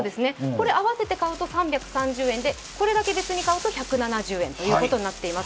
合わせて買うと３３０円でこれだけ別に買うと１７０円となっています。